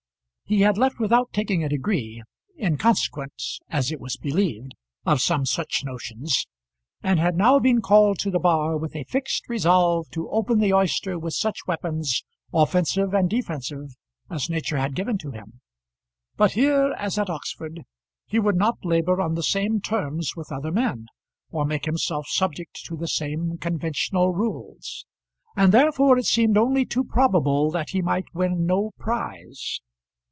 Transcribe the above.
He had left without taking a degree, in consequence, as it was believed, of some such notions, and had now been called to the bar with a fixed resolve to open the oyster with such weapons, offensive and defensive, as nature had given to him. But here, as at Oxford, he would not labour on the same terms with other men, or make himself subject to the same conventional rules; and therefore it seemed only too probable that he might win no prize.